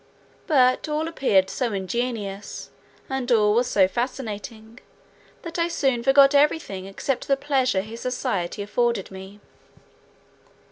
But all appeared so ingenuous, and all was so fascinating, that I forgot everything except the pleasure his society afforded me.